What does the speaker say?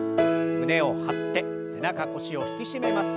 胸を張って背中腰を引き締めます。